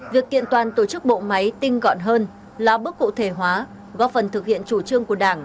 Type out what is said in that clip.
việc kiện toàn tổ chức bộ máy tinh gọn hơn là bước cụ thể hóa góp phần thực hiện chủ trương của đảng